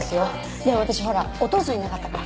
でも私ほらお父さんいなかったから。